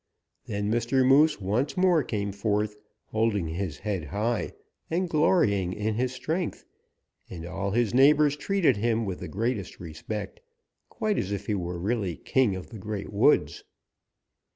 Then Mr. Moose once more came forth, holding his head high and glorying in his strength, and all his neighbors treated him with the greatest respect, quite as if he were really king of the Great Woods.